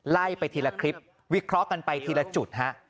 ไล่ไปทีละคลิปวิเคราะห์กันไปทีละจุดฮะ